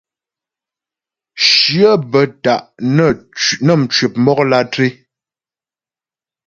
Shyə bə́ ta' nə́ mcwəp mɔk lǎtré.